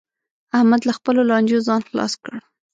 احمد له خپلو لانجو ځان خلاص کړ